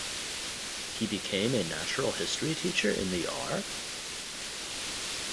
He became a natural history teacher in the R.?